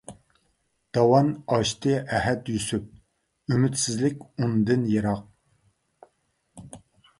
داۋان ئاشتى ئەھەت يۈسۈپ، ئۈمىدسىزلىك ئۇندىن يىراق.